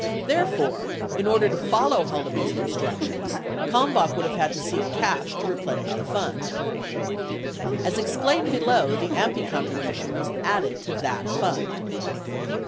66 Therefore, in order to follow Haldeman's instructions, Kalmbach would have had to seek cash to replenish the fund. As explained below the AMPI contribution was added to that fund.